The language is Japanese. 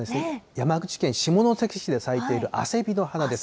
山口県下関市で咲いているあせびの花です。